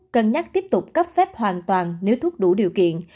cân nhắc tiếp tục cấp phép hoàn toàn nếu thuốc đủ điều kiện